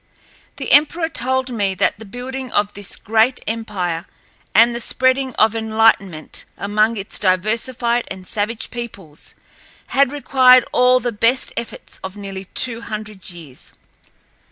The emperor told me that the building of this great empire and the spreading of enlightenment among its diversified and savage peoples had required all the best efforts of nearly two hundred years.